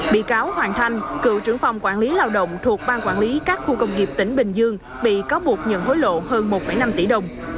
bị cáo hoàng thanh cựu trưởng phòng quản lý lao động thuộc ban quản lý các khu công nghiệp tỉnh bình dương bị cáo buộc nhận hối lộ hơn một năm tỷ đồng